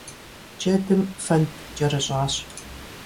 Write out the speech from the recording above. Джэдым фэнд кӀэрыщӀащ.